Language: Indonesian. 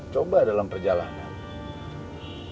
coba dalam perjalanan